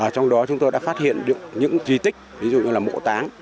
trong đó chúng tôi đã phát hiện những di tích ví dụ như là mộ táng